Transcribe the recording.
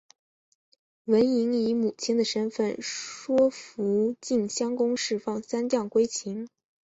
文嬴以母亲的身分说服晋襄公释放三将归秦。